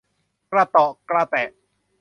กระเตาะกระแตะ